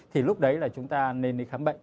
thì lúc đấy là chúng ta nên đi khám bệnh